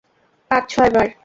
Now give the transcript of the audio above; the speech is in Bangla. পাঁচ- ছয় বার!